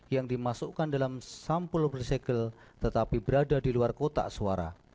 yang dimasukkan dalam sampul bersegel tetapi berada di luar kotak suara